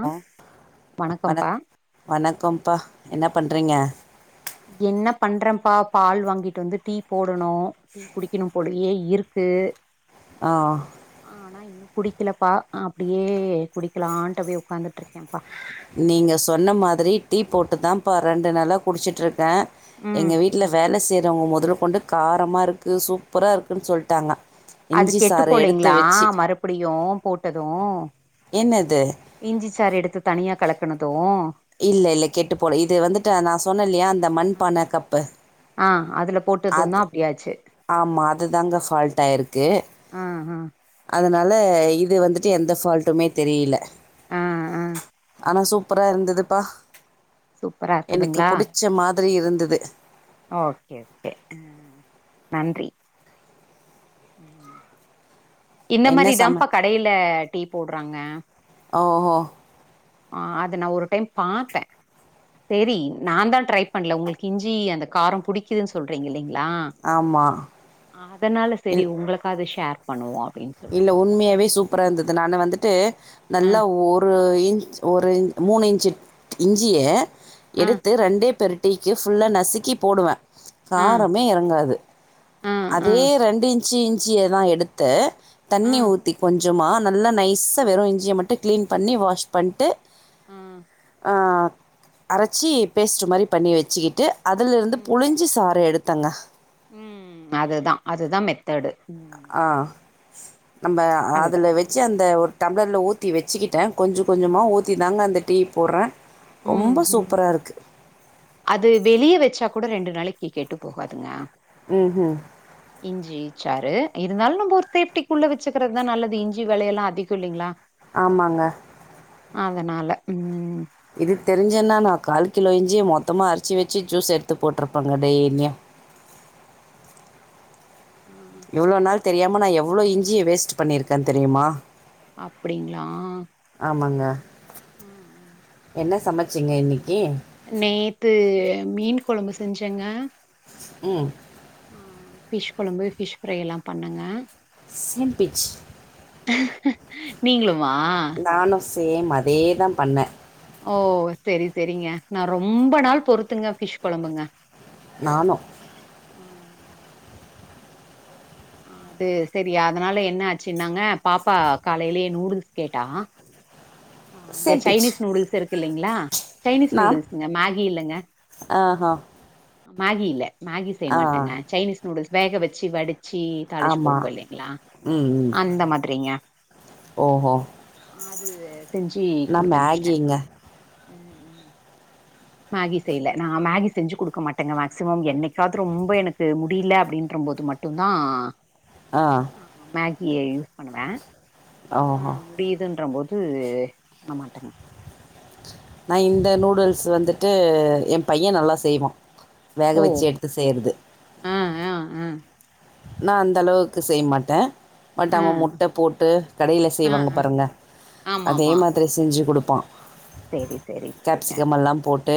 ஆ hello வணக்கம்ப்பா வணக் வணக்கம்பா என்ன பண்றிங்க என்ன பண்றப்பா பால் வாங்கிட்டு வந்து டீ போடணு டீ குடிக்கணும் போலயே இருக்கு ஆ ஆனா இன்னு குடிக்கலப்பா அப்டியே குடிக்கலான்ட்டு அப்டியே ஒட்காந்துட்டிருக்கே பா நீங்க சொன்ன மாதிரி டீ போட்டு தாம்பா ரெண்டு நாளா குடிச்சிட்டு இருக்க ம் எங்க வீட் ட்ல வேல செய்றவங்க மொதல்ல கொண்டு காரமா இருக்கு சூப்பரா இருக்குன்னு சொல்டாங்க அது கெட்டு போலிங்ளா மறுபடியு போட்டது என்னது இஞ்சிச்சாறு எடுத்து தனியா கலக்கனதோ இல்ல இல்ல கெட்டு போல இது வந்துட்டு நா சொன்னேல்லையா அந்த மண்பான கப்பு ஆ அதுல போட்டது தா அது அப்டியாச்சி ஆமா அதுதாங்க ஃபால்ட் ஆயிருக்கு ஆ ஆ அதனால இது வந்துட்டு எந்த ஃபால்ட்டுமே தெரியல ஆ ஆ ஆனா சூப்பரா இருந்ததுப்பா சூப்பரா எனக்கு இருக்குதுங்களா புடிச்ச மாதிரி இருந்தது ஓகே ஓகே ஹ நன்றி இந்த என்ன சம மாரிதாப்ப கடையில டீ போட்றாங்க ஓஹோ ஆ அத நா ஒரு டைம் பாத்தே சரி நா தா ட்ரை பண்ணல உங்களுக்கு இஞ்சி அந்த காரம் புடி க்கிது சொல்றீங்க இல்லைங்ளா ஆமா அதனால சரி இல் உங்களுக்காவது ஷேர் பண்ணுவோ அப்டின்னு இல்ல சொல்ட்டுதா உண்மையாவே சூப்பரா இருந்தது நானு வந்துட்டு ஆ நல்லா ஒர் ரு ஒரு இன் ஒரு மூணு இன்ச்சு இஞ்சிய ஆ எடுத்து ரெண்டே பேறுடீக்கு ஃபுல்லா நசுக்கி போடுவே ஆ காரமே எறங்காது ஆ ஆ அதே ரெண்டு இன்ச்சு இஞ்ச்சியெதா எடுத்து ஆ தண்ணி ஊத்தி கொஞ் சமா நல்லா நைஸா வெறு இஞ்சியை மட்டும் கிளீன் பண்ணி வாஷ் பண்ட்டு ம் அ அரைச்சி பேஸ்ட் மாரி பண்ணி வெச்சுக்கிட்டு அதிலிருந்து ம் புழிஞ் சி சார எடுத்தங்க ம் அதுதா அதுதா மெத்தேடு ஆ நம்ப அதுதா அதுல வெச்சு ம் அந்த ஒரு டம்ளரல ஊத்தி வெச்சுக்கிட்டே கொஞ்ச கொஞ்சமா ம் ஊத்தி தாங்க அந்த டீ போற்றே ம் ரொம்ப ம் சூப்பரா இருக்கு அது வெளியே வச்சா கூட ரெண்டு நாளைக்கு கெட்டு போகாதுங்க ம் ஹும் இஞ்சி சாரு இருந்தாலு நம்ம ஒரு சேப்டிக்குள்ள வெச்சுக்கிறதா நல்லது இஞ்சி விலையெல்லா அதிகோ இல்லிங்ளா ஆமாங்க அதனால ம் இது தெரிஞ்சன்னா நா கால் கிலோ இஞ்சியி மொத்தமா அரைச்சு வெச்சு ஜூஸ் எடுத்து போட்டுருபங்க டெய்லியு ம் இவ்ளோ நாள் தெரியாமல் நா எவ்ளோ இஞ்சிய வேஸ்ட் பண்ணிருக்கே தெரியுமா அப்டிங்ளா ஆமாங்க ஹ ஹ என்ன சமைச்சிங்க இன்னைக்கி நேத்து மீன் கொழம்பு செஞ்சேங்க ம் ஆ பிஷ் கொழம்பு பிஷ் ஃப்ரை எல்லா பண்ணங்க சேம்ப்பிஞ்ச் நீங்ளுமா நானு சேம் அதே தா பண்ணே ஓ செரி செரிங்க நா ரொம்ப நாள் பொறுத்துங்க ஃபிஷ் கொழம்புங்க நானு ஆ. ஆ. து சரியா அதனால என்ன ஆச்சுன்னாங்க பாப்பா காலையிலயே நூடுல்ஸ் கேட்டா ஆ இந்த சேம்பிச் சைனீஸ் நூடுல்ஸ் இருக்கு இல்லிங்ளா சைனீஸ் நான் நூடுல்ஸ்ங்க மேகி இல்லங்க ஆஹா மேகி இல்ல மேகி செய்ய ஆ மாட்டேங்க சைனீஸ் நூடுல்ஸ் வேக வச்சு வடிச்சி தாளுச்சு ஆமா குடுப்போ இல்லைங்களா ம் ம் அந்த மாதிரிங்க ஓஹோ ஆது செஞ்சு நா குடுத்அனுப்ச்ட்டே மேகிங்க ம் ம் மேகி செய்ல நா மேகி செஞ்சு குடுக்க மாட்டேங்க மேக்சிமம் என்னைக்காவது ரொம்ப எனக்கு முடில அப்டின்ற போது மட் டுந்தா ஆ மேகிய யூஸ் பண்ணுவே அ ஓஹோ முடியுதுன்ற போது நா மாட்டேங்க நா இந்த நூடுல்ஸ் வந்துட்டு எம் பைய நல்லா செய்வா வேக ஓ வச்சு எடுத் த்து செய்றது ஆ ஆ ஆ நா அந்த அளவுக்கு செய்ய மாட்டே பட் ஆ அவ முட்ட போட்டு கடைல ஆ செய்வாங்க பாருங்க ஆமா அதே ஆமா மாதிரி செஞ்சு குடுப்பா சேரி சேரி சேரிங்க கேப்சிகம் எல்லாம் போட்டு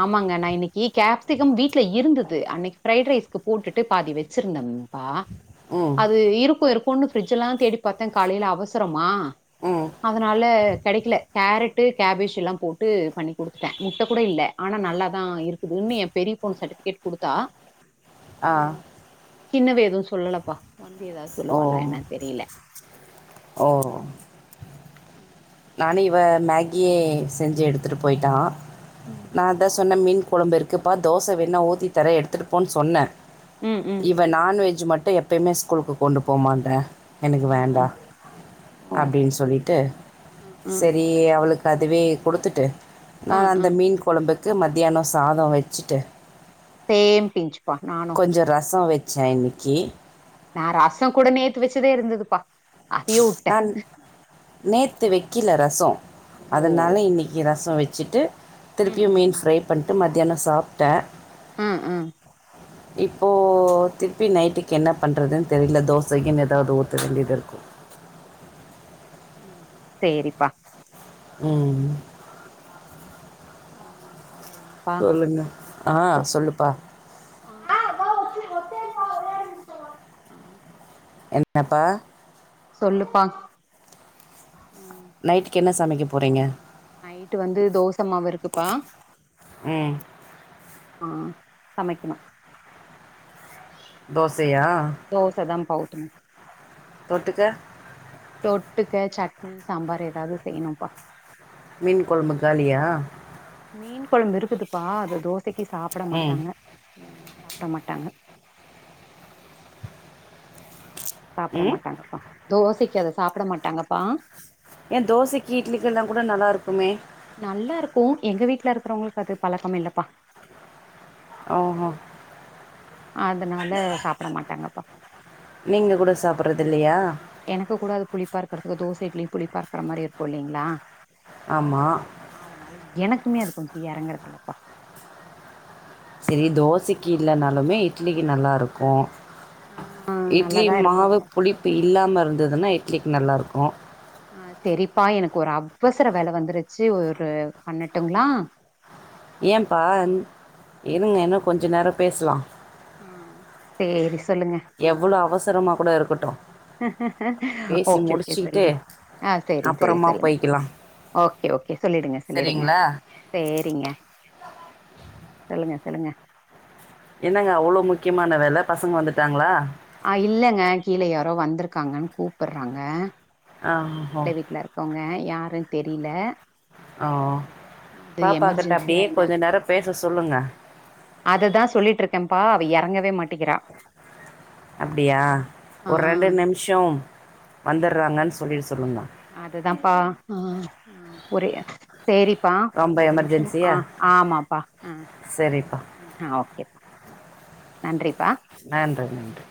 ஆமாங்க நா இன்னைக்கு கேப்சிகம் வீட்ல இருந்தது அன்னைக்கு ஃப்ரைட் ரைஸ்க்கு போட்டுட்டு பாதி வச்சிருந்தே பா ம் அது இருக்கு இருக்குனு ஃபிரிட்ஜ்லா தேடி பாத்தே காலைல அவசரமா ம் அதனால கெடைக்கல கேரட் ட்டு கேபேஜ் எல்லா போட்டு பண்ணி குடுத்ட்டே முட்ட கூட இல்ல ஆனா நல்லா தா இருக்குதுன் ஏ பெரிய பொண்ணு சர்டிஃபிகேட் குடுத்தா ஆ சின்னவ எது சொல்லலப்பா வந்து ஏதா ஓ சொல்லுவாலா என்னன் தெரில நானு இவ மேகியே செஞ்சு எடுத்துட்டு போய்ட்டா ம் நா அதா சொன்ன மீன் கொழம்பு இருக்குப்பா தோச வேண்ணா ஊத்தி தரே எடுத்துட்போன் சொன்னே ம். ம். இவ நான்வெஜ் மட்டு எப்பயுமே ஸ்கூலுக்கு கொண்டு போமாட்றே எனக்கு ம். வேண்டா ம். ஓ! அப்டின்னு சொல்லிட்டு ம். ம். சரி அவ்ளுக்கு அதுவே குடுத்துட்டு நா ஆ. ஆ. அந்த மீன் கொழம்புக்கு மத்தியானோ சாத வச்சுட்டு சேம் பிஞ்ச்ப்பா நா கொஞ்சோ ரச வச்சே இன்னைக்கு நா ரசோ கூட நேத்து வச்சுதே இருந்ததுப்பா. அதையே வுட்டே. நேத்து வெக்கில ரசோ ஓ! அதனால இன்னைக்கு ரசோ வச்சுட்டு ம். திருப்பியு ம். மீன் ம். ஃப்ரை பண்ணிட்டு, மத்தியானோ சாப்ட்டே ம் ம் இப்போ திருப்பி நைட்டுக்கு என்ன பண்றதுன் தெரில. தோசகீன் ஏதாவ்து ஊத்த வேண்டிது இருக்கு ம் சேரிப்பா ம் ம் வேற என்ன சொல்லுங்க. ஆ ஆஹ் [inaudible] சொல்லுப்பா ஆ. நைட்டுக் என்ன சமைக்க போறீங்க நைட்டு வந்து தோசைமாவு இருக்குப்பா ம் ஆ சமைக்கணு தோசையா தோசதாம்பா ஊத்தணு தொட்டுக்க தொட்டுக்க சட்னி சாம்பார் ஏதாவது செய்யணும்ப்பா மீன் குழம்பு காலியா மீன் குழம்பு இருக்குதுப்பா அத தோசைக்கு சாப்ட ம் மாட்டாங்க சாப்ட மாட்டாங்க ம் தோசைக்கு அத சாப்ட மாட்டாங்கப்பா ஏ தோசைக்கு இட்லிக்கெல்லா கூட நல்லாருக்குமே நல்லாருக்கு எங்க வீட்ல இருக்கறவங்களுக்கு அது பழக்கம் இல்லப்பா ஆ ஹா அதனால சாப்ட மாட்டாங்கப்பா நீங்கள் கூட சாப்பிட்றது இல்லையா எனக்கு கூட அது புளிப்பா இருக்கறதுக்கு தோச இட்லி புளிப்பா இருக்கற மாரி இருக்கு இல்லீங்ளா ஆமா அதனால எனக்குமே அது கொஞ்சோ எறங்கரதில்லபா சரி தோசைக்கு இல்லனாலுமே இட்லிக்கு நல்லாருக்கு ஆ இட்லி நல்லாதா மாவு இருக்கும்ப்பா புளிப்பு இல்லாம இருந்ததுன்னா இட்லிக்கு நல்லாருக்கு ஆ சரிப்பா எனக்கு ஒரு அவசர வேல வந்துருச்சு ஒரு பண்ணட்டுங்களா ஏம்ப்பா இருங்க இன்னு கொஞ்ச நேரோ பேஸ்லா ஆ சேரி சொல்லுங்க எவ்ளோ அவசரமா கூட இருக்கட்டு ஓகே ஓகே சொல்லுங்க ஆ சேரி சேரி அப்புறமா சொல்லுங்க போய்க்கலாம் ஓகே ஓகே சொல்லிடுங்க சொல்லிடுங்க சரிங்களா சேரிங்க சொல்லுங்க சொல்லுங்க என்னங்க அவ்ளோ முக்கியமான வேல பசங்க வந்துட்டாங்களா ஆ இல்லங்க கீழ யாரோ வந்துருக்காங்கன்னு கூப்பட்றாங்க ஆ ஓ கீழ வீட்ல இருக்கவங்க யாருன்னு தெரில ஆ அது பாப்பா கிட்ட எமர்ஜென்சியா அப்டியே கொஞ்ச நேரோ பேச சொல்லுங்க அதுதா சொல்லிட்ருக்கம்ப்பா அவ எறங்கவே மாட்டிகிறா அப்டியா ஆ ஒரு ரெண்டு நிமிஷோ வந்தற்றாங்கன்னு சொல்லிட சொல்லுங்க அதுதாம் பா ஒரே சேரிப்பா ரொம்ப ஒரு நிமிஷம் எமர்ஜென்சியா ஆ ஆமாப்பா ஆ சரிப்பா அ அ ஓகேப்பா நன்றிப்பா நன்றி நன்றி